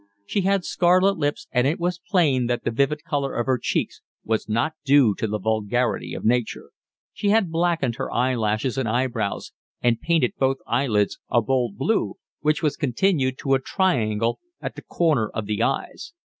She had scarlet lips, and it was plain that the vivid colour of her cheeks was not due to the vulgarity of nature; she had blackened her eyelashes and eyebrows, and painted both eyelids a bold blue, which was continued to a triangle at the corner of the eyes.